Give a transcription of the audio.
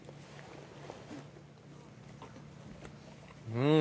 うん。